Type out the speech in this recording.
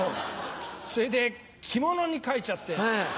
それで着物に書いちゃって。